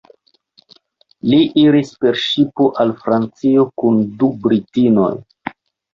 Li iris per ŝipo al Francio kun du britinoj.